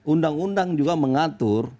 undang undang juga mengatur